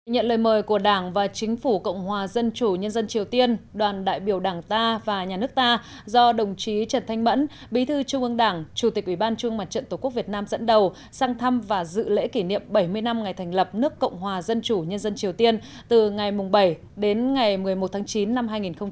nhận lời mời của đảng và chính phủ cộng hòa dân chủ nhân dân triều tiên đoàn đại biểu đảng ta và nhà nước ta do đồng chí trần thanh mẫn bí thư trung ương đảng chủ tịch ủy ban trung mặt trận tổ quốc việt nam dẫn đầu sang thăm và dự lễ kỷ niệm bảy mươi năm ngày thành lập nước cộng hòa dân chủ nhân dân triều tiên từ ngày bảy đến ngày một mươi một tháng chín năm hai nghìn một mươi chín